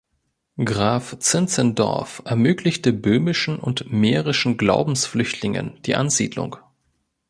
Graf Zinzendorf ermöglichte böhmischen und mährischen Glaubensflüchtlingen die Ansiedlung.